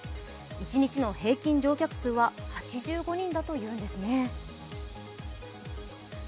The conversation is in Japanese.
一日の平均乗客数は８５人だというんですね。